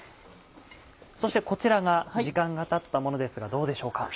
そしてこちらが時間がたったものですがどうでしょうか？